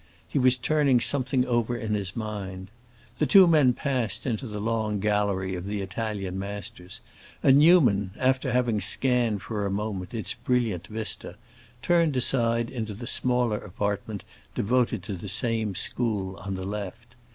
He was turning something over in his mind. The two men passed into the long gallery of the Italian masters, and Newman, after having scanned for a moment its brilliant vista, turned aside into the smaller apartment devoted to the same school, on the left.